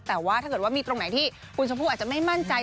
แต่ว่าถ้าเกิดว่ามีตรงไหนที่คุณชมพู่อาจจะไม่มั่นใจ